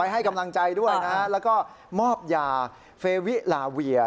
ให้กำลังใจด้วยนะแล้วก็มอบยาเฟวิลาเวีย